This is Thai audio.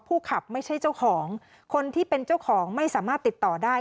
ขับไม่ใช่เจ้าของคนที่เป็นเจ้าของไม่สามารถติดต่อได้